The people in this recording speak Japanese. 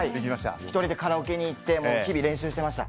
１人でカラオケに行って日々練習してました。